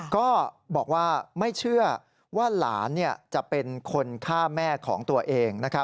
ก็บอกว่าไม่เชื่อว่าหลานจะเป็นคนฆ่าแม่ของตัวเอง